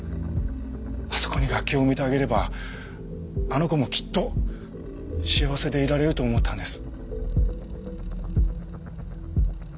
あそこに楽器を埋めてあげればあの子もきっと幸せでいられると思ったんです。